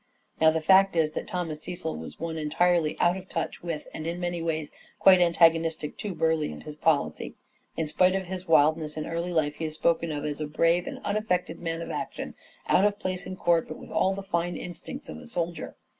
Now the fact is that Thomas Cecil was one entirely out of touch with and in many ways quite antagonistic to Burleigh and his policy. In spite of his wildness in early life he is spoken of as "a brave and un affected man of action, out of place in court, but with all the finest instincts of a soldier."